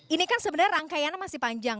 ini kan sebenarnya rangkaiannya masih panjang